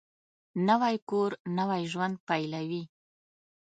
نوی کور نوی ژوند پېلوي